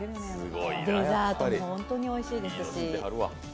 デザートも本当においしいですし。